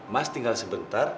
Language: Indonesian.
mas tinggal sebentar